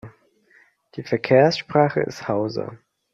Die Verkehrssprache ist Hausa.